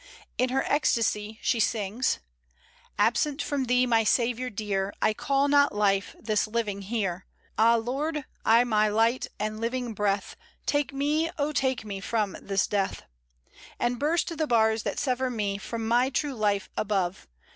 In her ecstasy she sings, "Absent from Thee, my Saviour dear! I call not life this living here. Ah, Lord I my light and living breath, Take me, oh, take me from this death And burst the bars that sever me From my true life above!